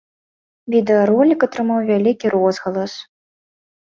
Відэаролік атрымаў вялікі розгалас.